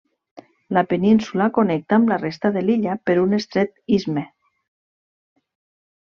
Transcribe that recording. La península connecta amb la resta de l'illa per un estret istme.